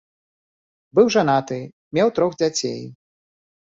Быў жанаты, меў трох дзяцей.